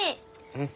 うん。